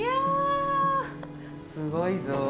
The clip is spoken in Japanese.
すごいぞ！